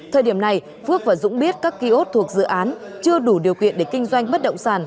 thời điểm này phước và dũng biết các kiosk thuộc dự án chưa đủ điều kiện để kinh doanh bất động sản